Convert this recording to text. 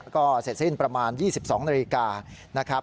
ก็เสร็จสิ้นประมาณ๒๒นาฬิกา